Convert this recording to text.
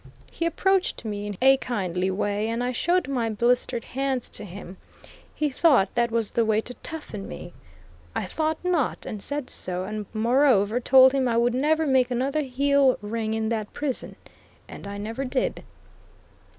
He approached me in a kindly way, and I showed my blistered hands to him. He thought that was the way to "toughen" me. I thought not, and said so, and, moreover, told him I would never make another heel ring in that prison, and I never did.